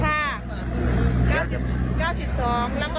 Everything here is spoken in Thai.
แล้วก็๙๓